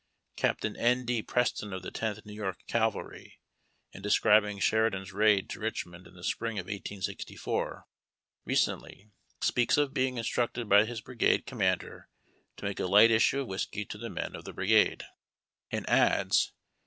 Captain N. D. Preston of the Tenth New York Cavalr}', in describing Sheridan's raid to Richmond in the spring of 1864, recently, speaks of being instructed by his brigade commander to make a light issue of whiskey to the men of the brigade, 140 HAnn TACK and coffee. and adds.